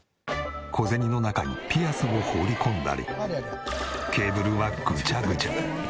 小銭の中にピアスを放り込んだりケーブルはグチャグチャ。